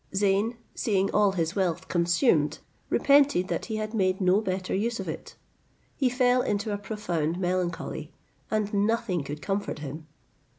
Zeyn, seeing all his wealth consumed, repented that he had made no better use of it. He fell into a profound melancholy, and nothing could comfort him.